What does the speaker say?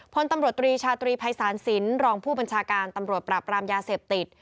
พลตำรวจตรีชาตรีภัยศาลสินรองผู้บัญชาการตำรวจปราบรามยาเสพติด